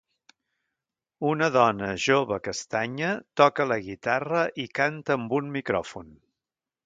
Una dona jove castanya toca la guitarra i canta amb un micròfon.